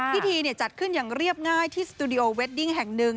พิธีจัดขึ้นอย่างเรียบง่ายที่สตูดิโอเวดดิ้งแห่งหนึ่ง